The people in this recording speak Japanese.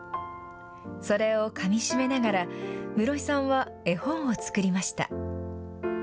それをかみしめながら、室井さんは絵本を作りました。